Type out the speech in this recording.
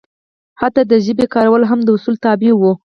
حتی د ژبې کارول هم د اصولو تابع وو.